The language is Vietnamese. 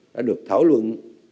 đã được thảo luận